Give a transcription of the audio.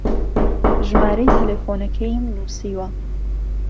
ژمارەی تەلەفۆنەکەیم نووسیوە.